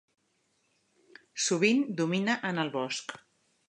Sovint domina en el bosc.